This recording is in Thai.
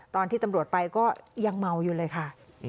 ตอนที่ตำรวจไปก็ยังเมาอยู่เลยค่ะ